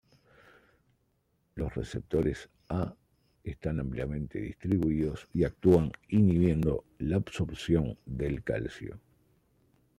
Los receptores A están ampliamente distribuidos y actúan inhibiendo la absorción de calcio.